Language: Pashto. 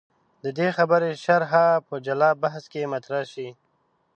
د دې خبرې شرحه په جلا بحث کې مطرح شي.